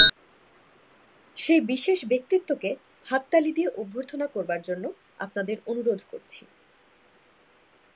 সেই বিশেষ ব্যক্তিত্বকে হাততালি দিয়ে অভ্যর্থনা করবার জন্যে আপনাদের অনুরোধ করছি।